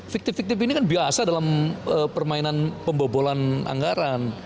fiktif fiktif ini kan biasa dalam permainan pembobolan anggaran